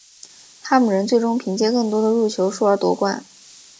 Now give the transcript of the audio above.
哈姆人最终凭借更多的入球数而夺冠。